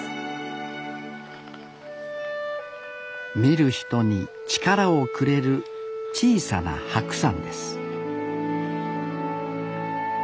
見る人に力をくれる小さな白山です